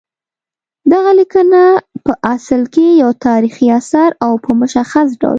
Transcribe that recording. دغه لیکنه پع اصل کې یو تاریخي اثر او په مشخص ډول